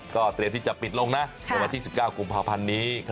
ก็เตรียมที่จะปิดลงนะในวันที่๑๙กุมภาพันธ์นี้